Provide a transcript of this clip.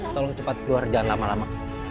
tolong cepat keluar jalan lama lama